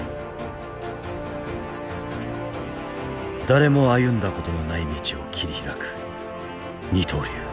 誰も歩んだことのない道を切り開く二刀流